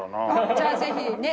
じゃあぜひねっ。